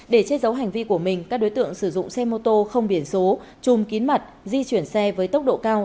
để chết giấu hành vi của mình các đối tượng sử dụng xe mô tô không biển số chùm kín mặt di chuyển xe với tốc độ cao